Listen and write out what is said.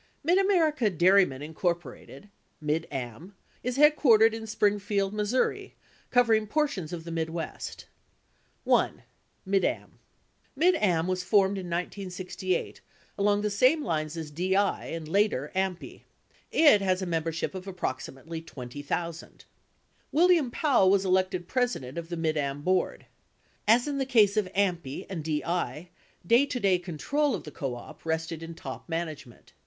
Mid America Dairymen, Inc. (Mid Am) is headquartered in Springfield, Mo., covering portions of the Midwest. 1. MID AM Mid Am was formed in 1968 along the same lines as DI and, later, AMPI. It has a membership of approximately 20,000. William Powell was elected president of the Mid Am board. As in the case of AMPI and DI, day to day control of the co op rested in top management.